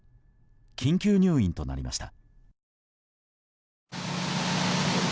緊急入院となりました。